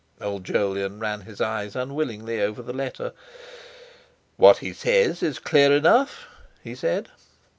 Old Jolyon ran his eyes unwillingly over the letter: "What he says is clear enough," he said.